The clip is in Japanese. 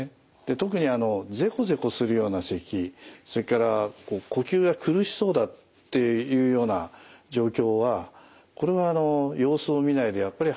特にゼコゼコするようなせきそれから呼吸が苦しそうだっていうような状況はこれは様子を見ないでやっぱり早めに。